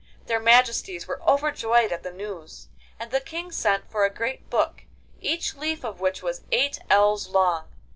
Their Majesties were overjoyed at the news, and the King sent for a great book, each leaf of which was eight ells long.